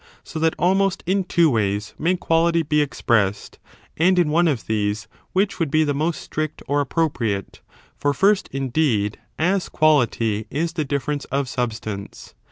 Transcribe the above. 139 So that almost in two ways may quality be ex 2. Reduction pressed ; and in one of these which would be the of these to two. most strict or appropriate ; for first, indeed, as quality, is the difference of substance.